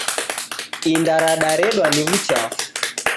Inda radaredwa ni w'uchafu.